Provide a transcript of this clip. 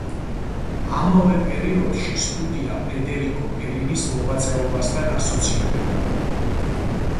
ამავე პერიოდში სტუდია ფედერიკო ფელინის მოღვაწეობასთან ასოცირდება.